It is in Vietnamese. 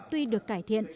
tuy được cải thiện